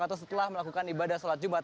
atau setelah melakukan ibadah sholat jumat